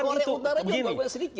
orde utara juga golputnya sedikit